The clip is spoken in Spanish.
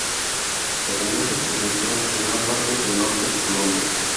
El terremoto se sintió en gran parte del norte de Colombia.